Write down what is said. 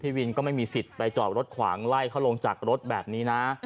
วินก็ไม่มีสิทธิ์ไปจอดรถขวางไล่เขาลงจากรถแบบนี้นะ